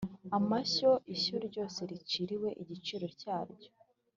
Amashyo ishyo ryose riciriwe igiciro cyaryo